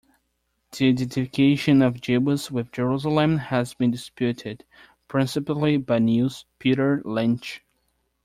The identification of Jebus with Jerusalem has been disputed, principally by Niels Peter Lemche.